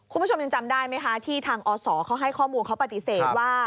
คุณผู้ชมยังจำได้ไหมคะที่ทางอศเขาให้ข้อมูลเขาปฏิเสธว่า